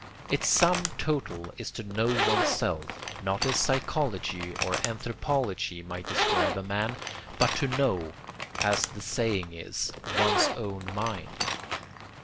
Its sum total is to know oneself, not as psychology or anthropology might describe a man, but to know, as the saying is, one's own mind.